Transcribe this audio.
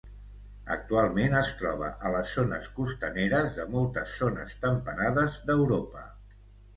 Actualment es troba a les zones costaneres de moltes zones temperades d'Europa.